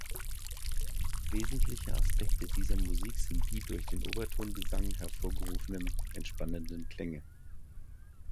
Wesentliche Aspekte dieser Musik sind die durch den Obertongesang hervorgerufenen entspannenden Klänge.